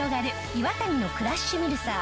イワタニのクラッシュミルサー！